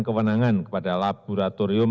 kewenangan kepada laboratorium